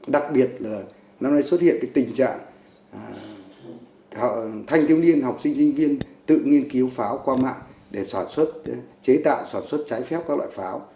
đặc biệt là năm nay xuất hiện tình trạng thanh thiếu niên học sinh sinh viên tự nghiên cứu pháo qua mạng để sản xuất chế tạo sản xuất trái phép các loại pháo